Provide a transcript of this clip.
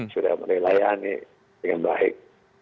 sudah mulai layani dengan baik